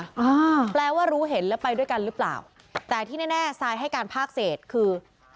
อ่าแปลว่ารู้เห็นแล้วไปด้วยกันหรือเปล่าแต่ที่แน่แน่ทรายให้การภาคเศษคือ